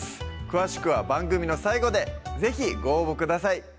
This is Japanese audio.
詳しくは番組の最後で是非ご応募ください